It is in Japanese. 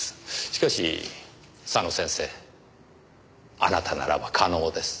しかし佐野先生あなたならば可能です。